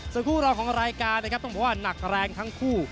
ส่วนคู่รองของรายการนะครับต้องบอกว่าหนักแรงทั้งคู่